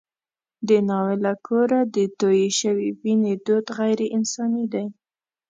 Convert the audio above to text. د ناوې له کوره د تویې شوې وینې دود غیر انساني دی.